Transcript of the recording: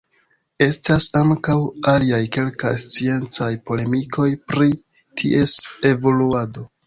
Estas ankaŭ aliaj kelkaj sciencaj polemikoj pri ties evoluado.